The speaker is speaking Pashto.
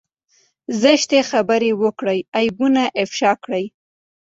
زشتې خبرې وکړي عيبونه افشا کړي.